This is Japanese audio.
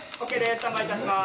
スタンバイいたします。